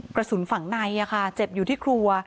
กระสุนฝั่งในเจ็บอยู่ที่ครัว